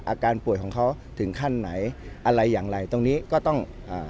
อาการป่วยของเขาถึงขั้นไหนอะไรอย่างไรตรงนี้ก็ต้องอ่า